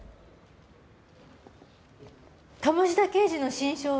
鴨志田刑事の心証は？